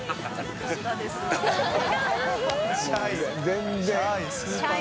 全然。